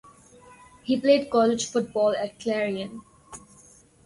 He played college football at Clarion.